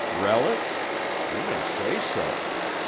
"Relics? You may say so!